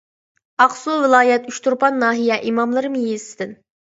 ئاقسۇ ۋىلايەت ئۇچتۇرپان ناھىيە ئىماملىرىم يېزىسىدىن.